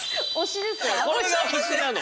これが推しなの？